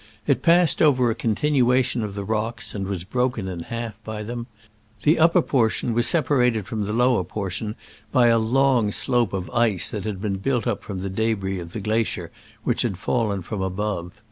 It passed over a continuation of the rocks, and was broken in half by them. The up per portion was separated from the lower portion by a long slope of ice that had been built up from the debris of the glacier which had fallen from above.